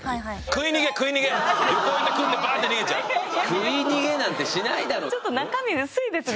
食い逃げなんてしないだろ。